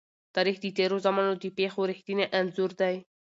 تاریخ د تېرو زمانو د پېښو رښتينی انځور دی.